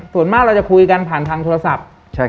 ส่วนมากเราจะคุยกันผ่านทางโทรศัพท์